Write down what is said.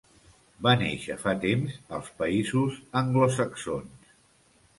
Va néixer fa temps als països anglosaxons.